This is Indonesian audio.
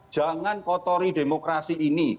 jangan kotori demokrasi ini